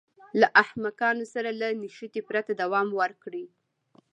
له احمقانو سره له نښتې پرته دوام ورکړي.